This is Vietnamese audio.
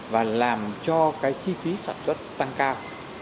và làm cho cái chi phí sản xuất tăng cao